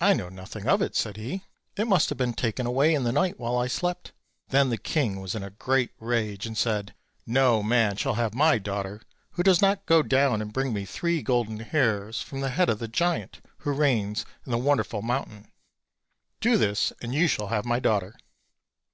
"I know nothing of it," said he; "it must have been taken away in the night while I slept." Then the king was in a great rage and said: "No man shall have my daughter who does not go down and bring me three golden hairs from the head of the giant who reigns in the wonderful mountain; do this, and you shall have my daughter."